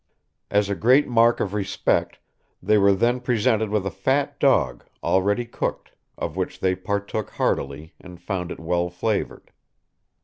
As a great mark of respect, they were then presented with a fat dog, already cooked, of which they partook heartily, and found it well flavored....